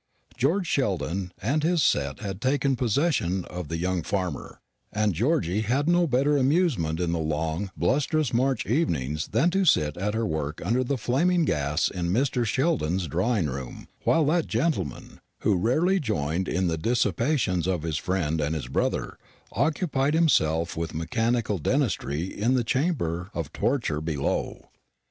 George Sheldon and his set had taken possession of the young farmer; and Georgy had no better amusement in the long blustrous March evenings than to sit at her work under the flaming gas in Mr. Sheldon's drawing room, while that gentleman who rarely joined in the dissipations of his friend and his brother occupied himself with mechanical dentistry in the chamber of torture below.